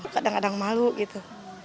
kadang kadang malu gitu